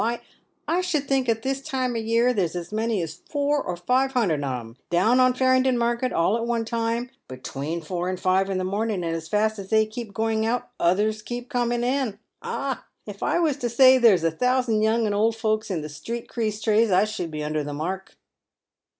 Why, I should think at this time of the year there's as many as four or five hundred on 'em down at Parringdon Market all at one time, between four and five in the morning, and as fast as they keep going out others keep coming in. Ah! if I was to say there's a thousand young and old folks in the street crease trade, I should be under the mark."